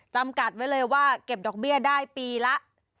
จำกัดไว้เลยว่าเก็บดอกเบี้ยได้ปีละ